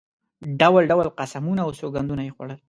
ډول ډول قسمونه او سوګندونه یې خوړل.